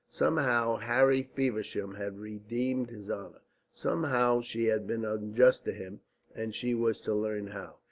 Somehow Harry Feversham had redeemed his honour, somehow she had been unjust to him; and she was to learn how.